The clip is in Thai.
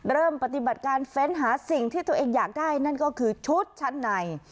เริ่มปฏิบัติการเฟ้นหาสิ่งที่ตัวเองอยากได้นั่นก็คือชุดชั้นใน